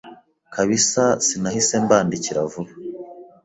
kabisa sinahise mbandikira vuba